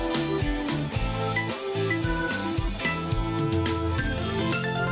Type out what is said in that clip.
โปรดติดตามต่อไป